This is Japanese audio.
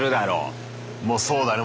もうそうだね。